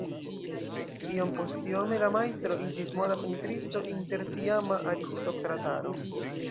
Iompostiome la majstro iĝis moda pentristo inter tiama aristokrataro.